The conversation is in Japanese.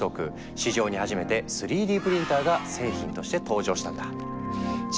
市場に初めて３Ｄプリンターが製品として登場したんだ。